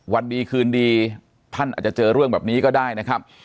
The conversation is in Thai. วันดีคืนดีท่านอาจจะเจอเรื่องแบบนี้ก็ได้นะครับ